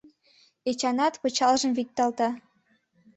Эчанат пычалжым викталта.